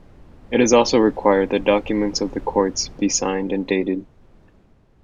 It also required that documents of the courts be signed and dated.